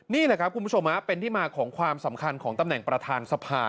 นี่แหละครับคุณผู้ชมเป็นที่มาของความสำคัญของตำแหน่งประธานสภา